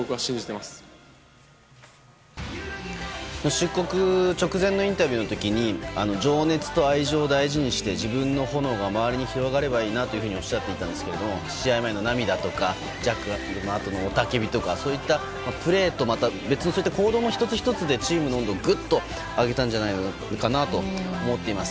出国直前のインタビューの時情熱と愛情を大事にして自分の炎が周りに広がればいいなとおっしゃっていたんですが試合前の涙とかジャッカルのあとの雄たけびとかそういったプレーとは、また別の行動の１つ１つでチームの温度をぐっと上げたと思っています。